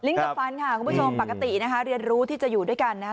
กับฟันค่ะคุณผู้ชมปกตินะคะเรียนรู้ที่จะอยู่ด้วยกันนะครับ